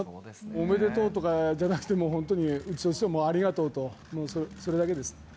おめでとうとかじゃなくて、もう本当にありがとうと、もうそれだけです。